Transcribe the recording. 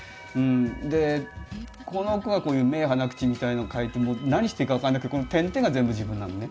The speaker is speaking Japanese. でこの子がこういう目鼻口みたいなのを描いてもう何していいか分かんなくてこの点々が全部自分なのね。